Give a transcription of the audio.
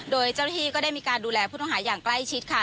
โดยเจ้าหน้าที่ก็ได้มีการดูแลผู้ต้องหาอย่างใกล้ชิดค่ะ